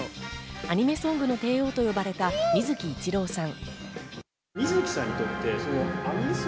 アニメソングの帝王と呼ばれた水木一郎さん。